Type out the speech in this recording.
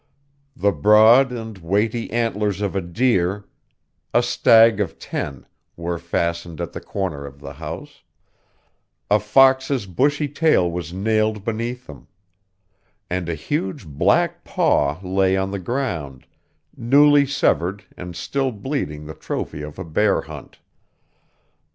The broad and weighty antlers of a deer, 'a stag of ten,' were fastened at the corner of the house; a fox's bushy tail was nailed beneath them; and a huge black paw lay on the ground, newly severed and still bleeding the trophy of a bear hunt.